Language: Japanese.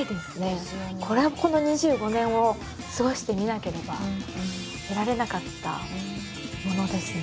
これはこの２５年を過ごしてみなければ得られなかったものですね。